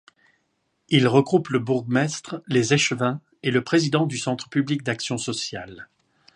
Il regroupe le bourgmestre, les échevins et le président du Centre public d'action sociale.